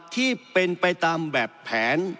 ที่เป็นไปตามแบบแผน